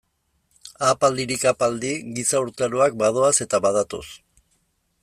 Ahapaldirik ahapaldi giza urtaroak badoaz eta badatoz.